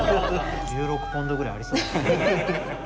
１６ポンドぐらいありそうです。